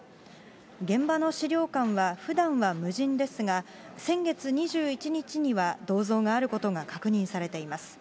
現場の資料館は、ふだんは無人ですが、先月２１日には銅像があることが確認されています。